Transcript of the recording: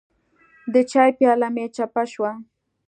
د چای پیاله مې چپه شوه.